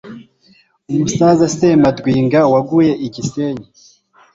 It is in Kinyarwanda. umusaza Semadwinga waguye i Gisenyi,